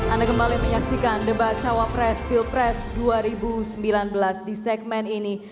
anda kembali menyaksikan debat cawapres pilpres dua ribu sembilan belas di segmen ini